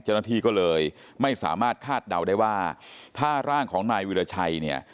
เจ้าหน้าที่ก็เลยไม่สามารถคาดเดาได้ว่าถ้าร่างของนายวิราชัยเนี่ย